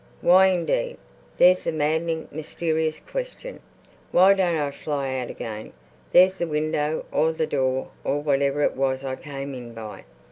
Why indeed? There's the maddening, mysterious question. Why don't I fly out again? There's the window or the door or whatever it was I came in by.